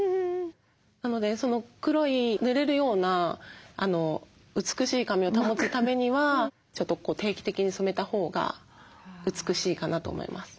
なのでその黒いぬれるような美しい髪を保つためには定期的に染めたほうが美しいかなと思います。